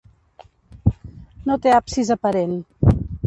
No té absis aparent.